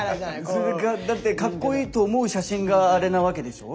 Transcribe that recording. それがだって格好いいと思う写真があれなわけでしょ？